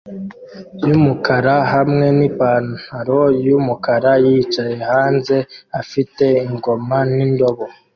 yumukara hamwe nipantaro yumukara yicaye hanze afite ingoma nindobo